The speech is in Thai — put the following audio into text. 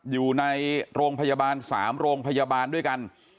อยู่ในโรงพยาบาล๓โรงพยาบาลด้วยกัน